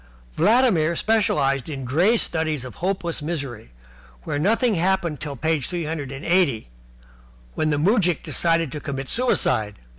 Vladimir specialized in grey studies of hopeless misery, where nothing happened till page three hundred and eighty, when the moujik decided to commit suicide.